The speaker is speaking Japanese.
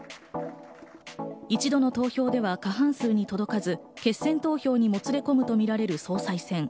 一度の投票では過半数に届かず、決選投票にもつれ込むとみられる総裁選。